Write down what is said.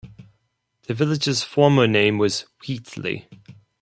The village's former name was Wheatley.